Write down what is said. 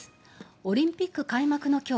オリンピック開幕の今日